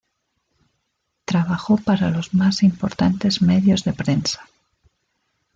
Trabajó para los más importantes medios de prensa.